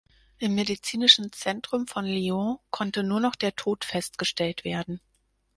Im medizinischen Zentrum von Lyon konnte nur noch der Tod festgestellt werden.